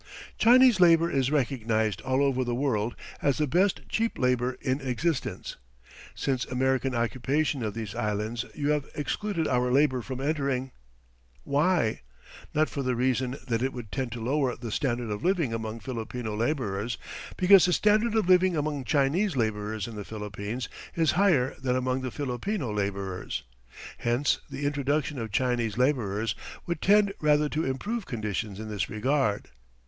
"Chinese labour is recognized all over the world as the best cheap labour in existence. Since American occupation of these Islands you have excluded our labour from entering. Why? Not for the reason that it would tend to lower the standard of living among Filipino labourers, because the standard of living among Chinese labourers in the Philippines is higher than among the Filipino labourers. Hence the introduction of Chinese labourers would tend rather to improve conditions in this regard.